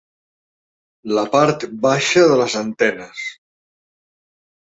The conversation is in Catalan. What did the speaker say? La part baixa de les antenes.